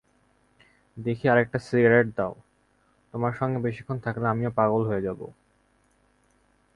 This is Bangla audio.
দেখি, আরেকটা সিগারেট দাও, তোমার সঙ্গে বেশিক্ষণ থাকলে আমিও পাগল হয়ে যাব।